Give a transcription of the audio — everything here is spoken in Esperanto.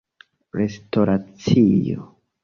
restoracio